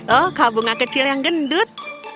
oh kalau bunga kecil yang gendut